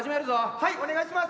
はいお願いします！